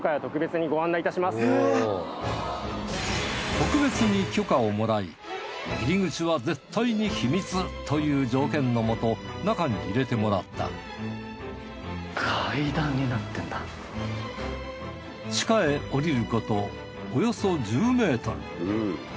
特別に許可をもらい入り口は絶対に秘密という条件のもと中に入れてもらった地下へ下りることおよそ１０ｍ。